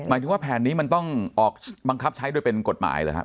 หมายถึงว่าแผนนี้มันต้องออกบังคับใช้โดยเป็นกฎหมายเหรอฮะ